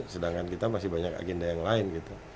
sedangkan kita masih banyak agenda yang lain gitu